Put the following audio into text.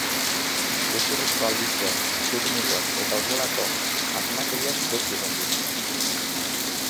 Gezurrezko albisteak, zurrumurruak eta horrelako asmakeriak beti egon dira.